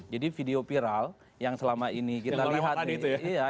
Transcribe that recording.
jadi video viral yang selama ini kita lihat nih